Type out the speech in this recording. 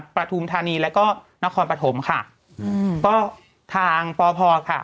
ประทุมธานีแล้วก็นครปฐมค่ะก็ทางพอค่ะ